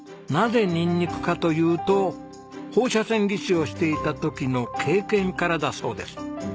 なぜニンニクかというと放射線技師をしていた時の経験からだそうです。